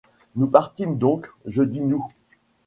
Nous partîmes donc, je dis nous.